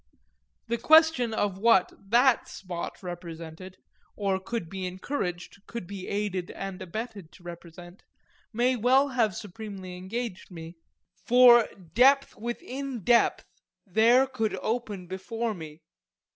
The question of what that spot represented, or could be encouraged, could be aided and abetted, to represent, may well have supremely engaged me for depth within depth there could only open before me.